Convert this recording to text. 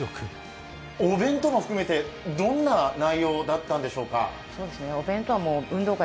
お弁当も含めてどんな内容だったんでしょうか？